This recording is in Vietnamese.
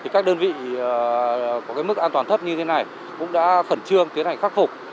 các đơn vị có mức an toàn thấp như thế này cũng đã khẩn trương tiến hành khắc phục